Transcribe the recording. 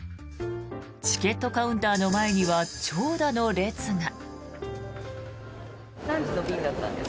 チケットカウンターの前には長蛇の列が。